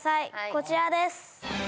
こちらです